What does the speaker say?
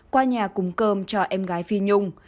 qua nhà cúng cơm cho em gái phi nhung